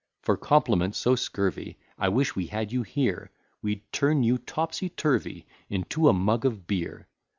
For compliment so scurvy, I wish we had you here; We'd turn you topsy turvy Into a mug of beer.